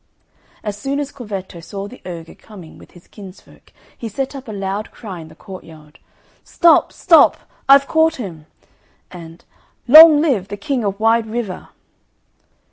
As soon as Corvetto saw the ogre coming with his kinsfolk, he set up a loud cry in the courtyard, "Stop, stop! I've caught him!" and "Long live the King of Wide River."